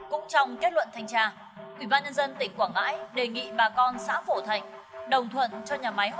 cũng trong kết luận thanh tra ủy ban nhân dân tỉnh quảng ngãi đề nghị bà con xã phổ thạnh đồng thuận cho nhà máy